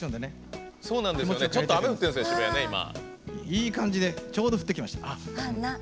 いい感じでちょうど降ってきました。